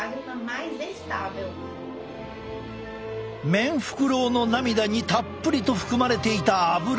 メンフクロウの涙にたっぷりと含まれていたアブラ。